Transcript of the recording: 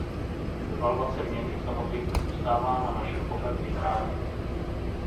Devalvace měny samozřejmě zůstává na našem pořadu jednání.